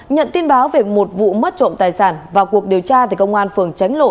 nhận tin báo về một vụ mất trộm tài sản vào cuộc điều tra thì công an phường tránh lộ